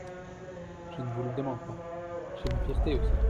Je ne vous le demande pas : j’ai ma fierté aussi !…